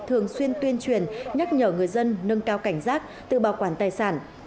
thường xuyên tuyên truyền nhắc nhở người dân nâng cao cảnh giác tự bảo quản tài sản